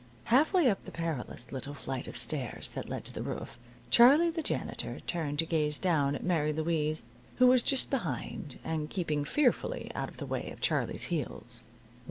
Half way up the perilous little flight of stairs that led to the roof, Charlie, the janitor, turned to gaze down at Mary Louise, who was just behind, and keeping fearfully out of the way of Charlie's heels.